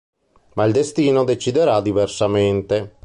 Ma il destino deciderà diversamente.